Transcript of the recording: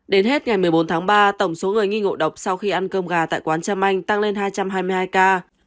đến hết ngày một mươi bốn tháng ba tổng số người nghi ngộ độc sau khi ăn cơm gà tại quán trâm anh tăng lên hai trăm hai mươi hai ca